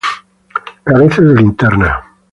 Carece de linterna.